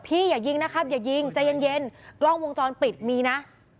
อย่ายิงนะครับอย่ายิงใจเย็นกล้องวงจรปิดมีนะ